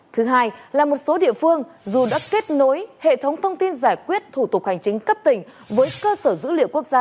thứ hai là một số địa phương dù đã kết nối hệ thống thông tin giải quyết thủ tục hành chính cấp tỉnh với cơ sở dữ liệu quốc gia